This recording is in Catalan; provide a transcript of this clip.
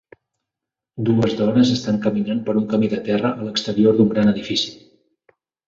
Dues dones estan caminant per un camí de terra a l'exterior d'un gran edifici.